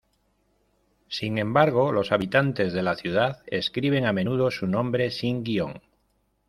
Sin embargo los habitantes de la ciudad escriben a menudo su nombre sin guion.